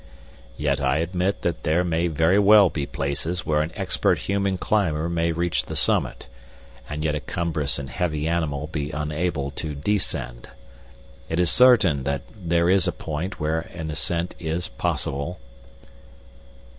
Yet I admit that there may very well be places where an expert human climber may reach the summit, and yet a cumbrous and heavy animal be unable to descend. It is certain that there is a point where an ascent is possible."